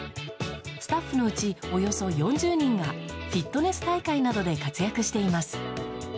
スタッフのうちおよそ４０人がフィットネス大会などで活躍しています。